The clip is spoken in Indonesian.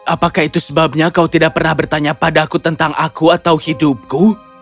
apakah itu sebabnya kau tidak pernah bertanya pada aku tentang aku atau hidupku